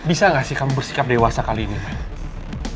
bisa gak sih kamu bersikap dewasa kali ini mel